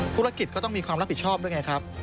ก็ต้องมีความรับผิดชอบด้วยไงครับ